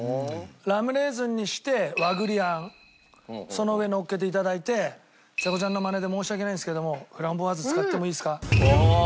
ラムレーズンにして和栗あんその上のっけて頂いてちさ子ちゃんのマネで申し訳ないんですけどもフランボワーズ使ってもいいですか？